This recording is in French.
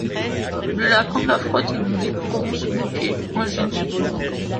Le lapin la frotte et nous découvrons Smokey, un génie.